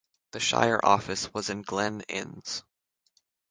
The shire office was in Glen Innes.